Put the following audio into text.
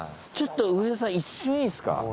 ちょっと上田さん一瞬いいですか？